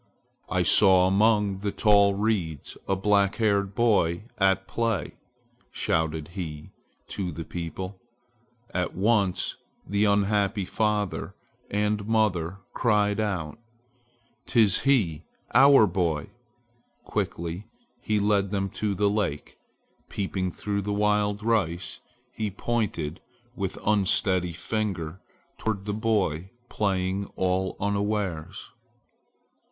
"I saw among the tall reeds a black haired boy at play!" shouted he to the people. At once the unhappy father and mother cried out, "'Tis he, our boy!" Quickly he led them to the lake. Peeping through the wild rice, he pointed with unsteady finger toward the boy playing all unawares.